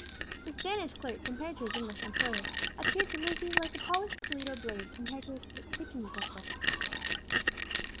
The Spanish clerk, compared to his English employer, appeared to Lucius like a polished Toledo blade compared to a kitchen utensil.